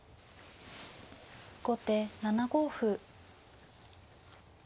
後手７五歩。